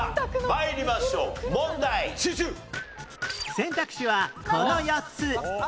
選択肢はこの４つ